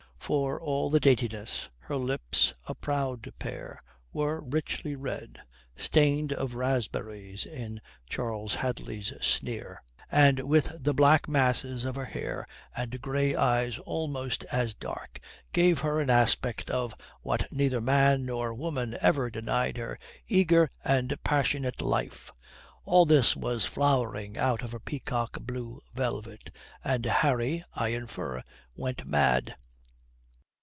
For all the daintiness, her lips, a proud pair, were richly red (stained of raspberries, in Charles Hadley's sneer), and with the black masses of her hair and grey eyes almost as dark, gave her an aspect of, what neither man nor woman ever denied her, eager and passionate life. All this was flowering out of her peacock blue velvet, and Harry, I infer, went mad.